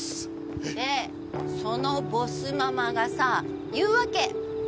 でそのボスママがさ言うわけ。